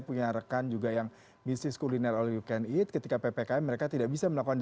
mungkin bahwa bisnis kuliner ini kan membutuhkan pembeli yang selalu berdatangan